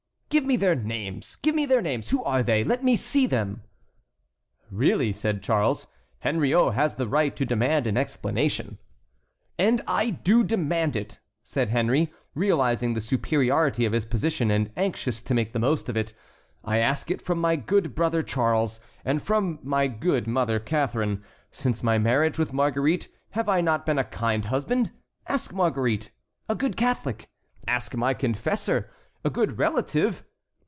"Give me their names! Give me their names! Who are they? Let me see them!" "Really," said Charles, "Henriot has the right to demand an explanation." "And I do demand it!" said Henry, realizing the superiority of his position and anxious to make the most of it. "I ask it from my good brother Charles, and from my good mother Catharine. Since my marriage with Marguerite have I not been a kind husband? ask Marguerite. A good Catholic? ask my confessor. A good relative?